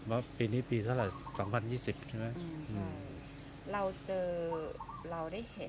ว่าปีนี้ปีเท่าไหร่สองพันยี่สิบใช่ไหมอืมเราเจอเราได้เห็น